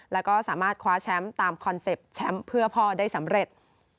แล้วก็สามารถคว้าแชมป์ตามคอนเซ็ปต์แชมป์เพื่อพ่อได้สำเร็จ